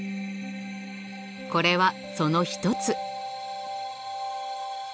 これはその一つ。